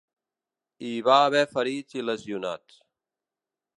Hi va haver ferits i lesionats.